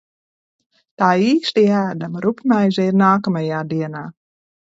Tā īsti ēdama rupjmaize ir nākamajā dienā.